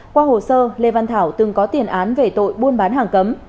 qua hồ sơ lê văn thảo từng có tiền án về tội buôn bán hàng cấm